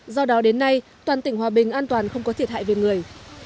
do đó đến nay toàn tỉnh hòa bình an toàn không có thiệt hại về người